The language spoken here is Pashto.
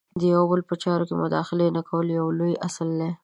د یو او بل په چارو کې د مداخلې نه کول یو اصل دی.